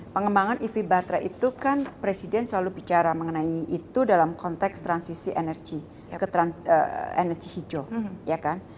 pengembangan ev battery itu kan presiden selalu bicara mengenai itu dalam konteks transisi energi energi hijau